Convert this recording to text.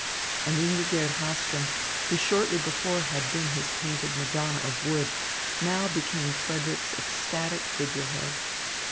And Ingigerd Hahlström, who shortly before had been his painted Madonna of wood, now became Frederick's ecstatic figurehead.